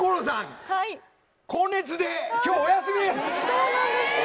そうなんですね！